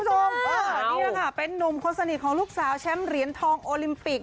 นี่แหละค่ะเป็นนุ่มคนสนิทของลูกสาวแชมป์เหรียญทองโอลิมปิก